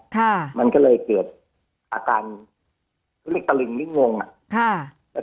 ค่ะมันก็เลยเกิดอาการเขาเรียกตะลึงหรืองงอ่ะค่ะ